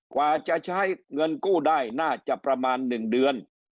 กว่าจะใช้เงินกู้ได้น่าจะประมาณ๑เดือน